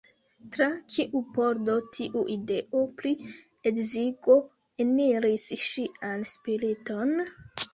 Tra kiu pordo tiu ideo pri edzigo eniris ŝian spiriton?